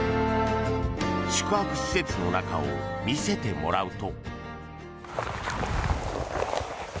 宿泊施設の中を見せてもらうと。